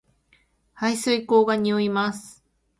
排水溝が臭います